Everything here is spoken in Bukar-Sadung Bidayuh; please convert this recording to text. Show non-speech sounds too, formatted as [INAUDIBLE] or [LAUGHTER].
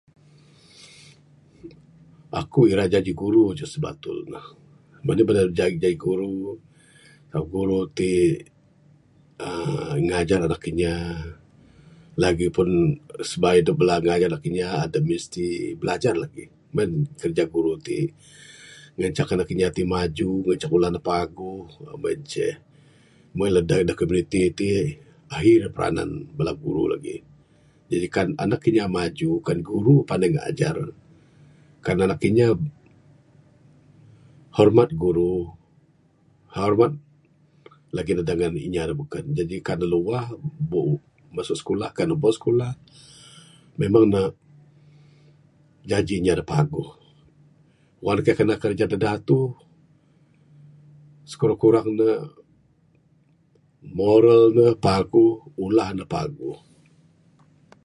Aku ira jadi guru ce sibatul ne manih bada jai jadi guru. [UNINTELLIGIBLE] ti ngajar anak inya lagipun sibayuh adep ngajar anak inya adep pun mesti bilajar lagih guru ti, ngancak anak inya maju ngancak bala ne paguh meng en ce. Meng en lagih bala da komuniti ti ahi lah peranan bala guru lagih, Jadi kan bala anak inya panai maju, kan guru panai ngajar. Kan anak inya hormat guru hormat lagih ne dangan inya da beken. Jaji ka ne luah [UNINTELLIGIBLE] masu skulah kan ne ubo skulah memang ne jaji inya da paguh. Wang ne kaik kanan kerja da datuh, skurang kurang ne moral ne paguh ulah ne paguh.